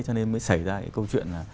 cho nên mới xảy ra cái câu chuyện là